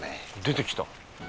出てきた。